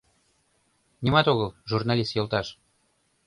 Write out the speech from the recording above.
— Нимат огыл, журналист йолташ.